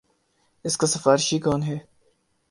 اس کا سفارشی کون ہے۔